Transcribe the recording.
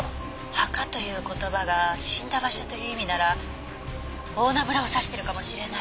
「墓という言葉が死んだ場所という意味なら大菜村を指してるかもしれない」